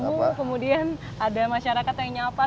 jadi penting ada konteks yang berjalan